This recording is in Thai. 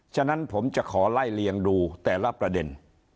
ฉะนั้นผมจะขอไล่เลียงดูแต่ละประเด็น